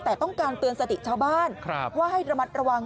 แต่ต้องการเตือนสติชาวบ้านว่าให้ระมัดระวัง